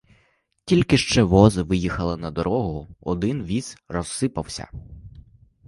Тільки що вози виїхали на дорогу, один віз розсипався.